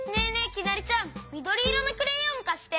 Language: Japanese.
きなりちゃんみどりいろのクレヨンかして！